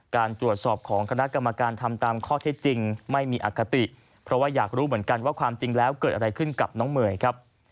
การตรวจสอบของคณะกรรมการทำตามข้อเท็จจริงไม่มีอคติเพราะว่าอยากรู้เหมือนกันว่าความจริงแล้วเกิดอะไรขึ้นกับน้องเมย์ครับ